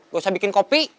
gak usah bikin kopi